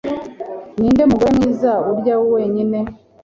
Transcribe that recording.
ninde mugore mwiza urya wenyine